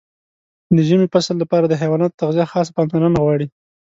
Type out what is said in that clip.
د ژمي فصل لپاره د حیواناتو تغذیه خاصه پاملرنه غواړي.